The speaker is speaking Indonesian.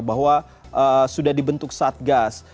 bahwa sudah dibentuk satgas